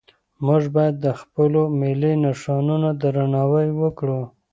موږ باید د خپلو ملي نښانو درناوی وکړو.